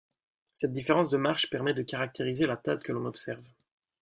Cette différence de marche permet de caractériser la teinte que l'on observe.